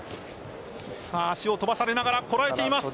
足を飛ばされながらこらえています。